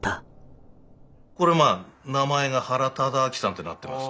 これまあ名前が原敕晁さんってなってます。